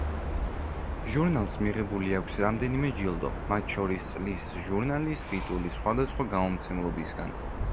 ჟურნალს მიღებული აქვს რამდენიმე ჯილდო, მათ შორის წლის ჟურნალის ტიტული სხვადასხვა გამომცემლებისგან.